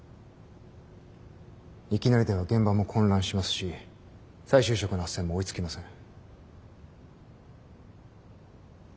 いきなりでは現場も混乱しますし再就職のあっせんも追いつきません。